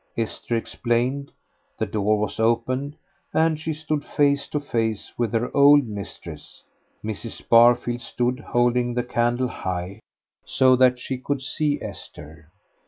Esther explained; the door was opened, and she stood face to face with her old mistress. Mrs. Barfield stood, holding the candle high, so that she could see Esther.